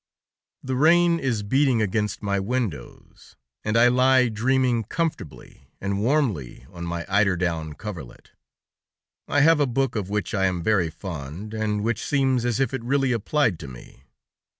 The rain is beating against my windows, and I lie dreaming comfortably and warmly on my eider down coverlet. I have a book of which I am very fond, and which seems as if it really applied to me.